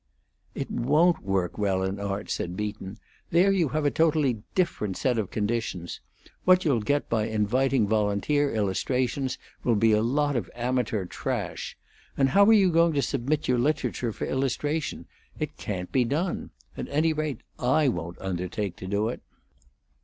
"It won't work well in art," said Beaton. "There you have a totally different set of conditions. What you'll get by inviting volunteer illustrations will be a lot of amateur trash. And how are you going to submit your literature for illustration? It can't be done. At any rate, I won't undertake to do it."